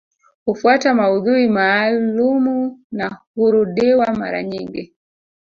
Hufuata maudhui maalumu na hurudiwa mara nyingi